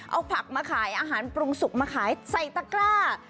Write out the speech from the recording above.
เอาผักมาขายอาหารปรุงสุกมาขายใส่ตะกร้า